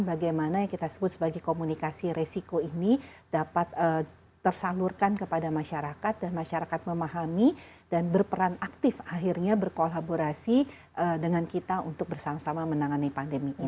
bagaimana yang kita sebut sebagai komunikasi resiko ini dapat tersalurkan kepada masyarakat dan masyarakat memahami dan berperan aktif akhirnya berkolaborasi dengan kita untuk bersama sama menangani pandemi ini